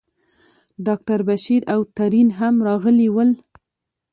ډاکټر بشیر او ترین هم راغلي ول.